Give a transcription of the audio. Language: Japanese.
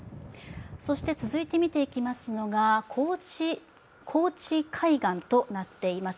そして続いて見ていきますのが、高知海岸となっています。